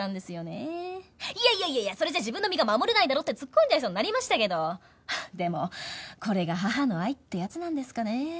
いやいやいやそれじゃ自分の身が守れないだろって突っ込んじゃいそうになりましたけどでもこれが母の愛ってやつなんですかね。